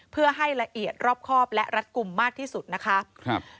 เพื่อให้ละเอียดรอบครอบและรัดกลุ่มมากที่สุดนะคะ